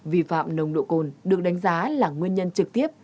vi phạm nồng độ cồn được đánh giá là nguyên nhân trực tiếp